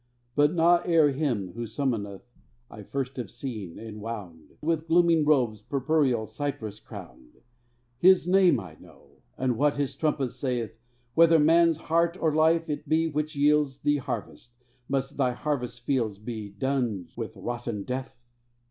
But not ere him who summoneth I first have seen, enwound With glooming robes purpureal, cypress crowned; His name I know, and what his trumpet saith. Whether man's heart or life it be which yields Thee harvest, must Thy harvest fields Be dunged with rotten death?